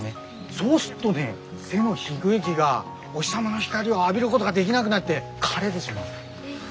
そうすっとね背の低い木がお日様の光を浴びるごどがでぎなくなって枯れでしまう。